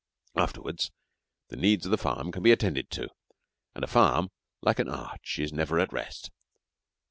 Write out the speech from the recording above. Afterwards the needs of the farm can be attended to, and a farm, like an arch, is never at rest.